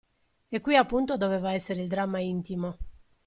E qui appunto doveva essere il dramma intimo.